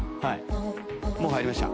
もう入りました。